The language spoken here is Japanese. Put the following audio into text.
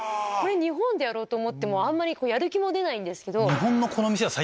日本でやろうと思ってもあんまりやる気も出ないけど。